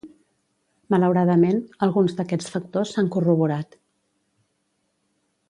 Malauradament, alguns d'aquests factors s'han corroborat.